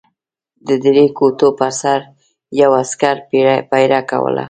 د درې کوټو پر سر یو عسکر پېره کوله.